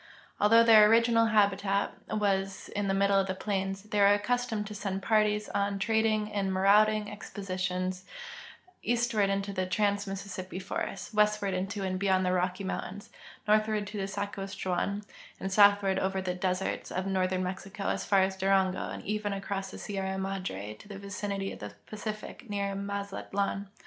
Although their original hal)itat was in the middle plains, they were accustomed to send parties on trading and ma rauding expeditions eastward into the trans Mississippi forests, Avestward into and be3''ond the Rocky mountains, nortliAvard to the SaskatcheAA'an, and soutliAvard over the deserts of northern Mexico as far as Durango, and even across tlie Sierra Madre to the vicinity of the Pacific, near Mazatlan.